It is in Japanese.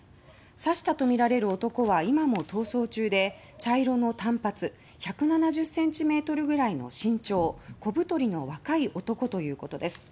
刺したとみられる男は今も逃走中で茶色の短髪１７０ｃｍぐらいの身長小太りの若い男ということです。